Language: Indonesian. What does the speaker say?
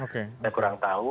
saya kurang tahu